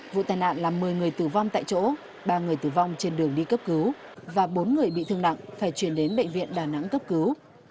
vụ tai nạn làm một mươi người tử vong tại chỗ ba người tử vong trên đường đi cấp cứu và bốn người bị thương nặng phải chuyển đến bệnh viện đà nẵng cấp cứu